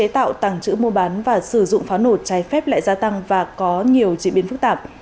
tàng trữ mua bán và sử dụng pháo nổ trái phép lại gia tăng và có nhiều trị biến phức tạp